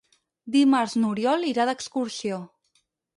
Dimarts n'Oriol irà d'excursió.